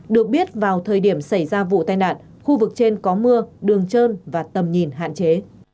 được biết vào thời điểm xảy ra vụ tai nạn khu vực trên có mưa đường trơn và tầm nhìn hạn chế